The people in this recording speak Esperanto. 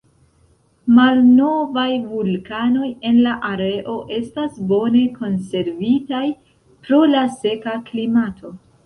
Malnovaj vulkanoj en la areo estas bone konservitaj, pro la seka klimato.